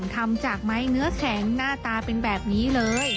ทำจากไม้เนื้อแข็งหน้าตาเป็นแบบนี้เลย